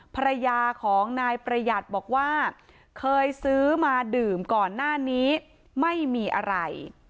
ภรรยาของนายประหยัดบอกว่าเคยซื้อมาดื่มก่อนหน้านี้ไม่มีอะไร